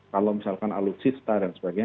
kalau misalkan alutsista dan sebagainya